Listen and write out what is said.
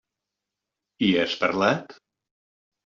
Hi has parlat?